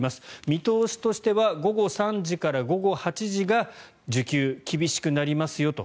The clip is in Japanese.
見通しとしては午後３時から午後８時が需給、厳しくなりますよと。